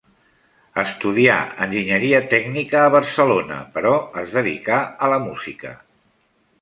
Estudià Enginyeria Tècnica a Barcelona, però es dedicà a la música.